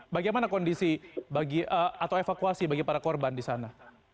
bagaimana kondisi atau evakuasi bagi para korban di sana